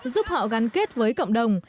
giúp họ gắn kết với cộng đồng